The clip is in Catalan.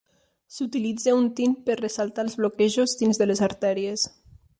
S'utilitza un tint per ressaltar els bloquejos dins de les artèries.